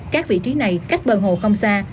các vị trí này cách bờ hồ không xa